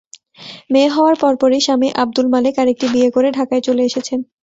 মেয়ে হওয়ার পরপরই স্বামী আবদুল মালেক আরেকটি বিয়ে করে ঢাকায় চলে এসেছেন।